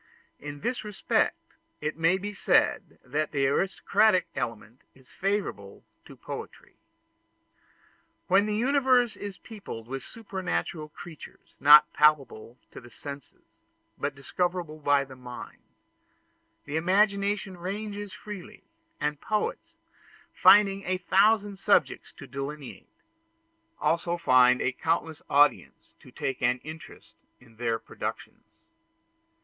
In this respect it may be said that the aristocratic element is favorable to poetry. When the universe is peopled with supernatural creatures, not palpable to the senses but discovered by the mind, the imagination ranges freely, and poets, finding a thousand subjects to delineate, also find a countless audience to take an interest in their productions.